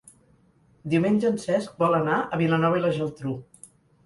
Diumenge en Cesc vol anar a Vilanova i la Geltrú.